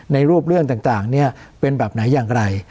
ในรูปเรื่องต่างเป็นแบบไหนอย่างไร